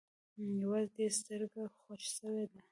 يوازې دې سترگه خوږ سوې ده.